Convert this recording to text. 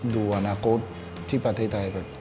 ดูอนาคตที่ประเทศไทย